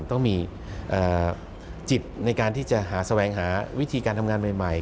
ต้องมีจิตในการที่จะหาแสวงหาวิธีการทำงานใหม่